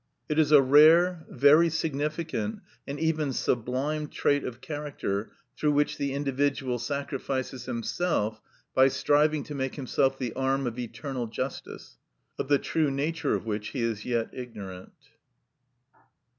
It is a rare, very significant, and even sublime trait of character through which the individual sacrifices himself by striving to make himself the arm of eternal justice, of the true nature of which he is yet ignorant.